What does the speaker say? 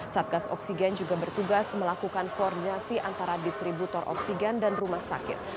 satgas oksigen juga bertugas melakukan koordinasi antara distributor oksigen dan rumah sakit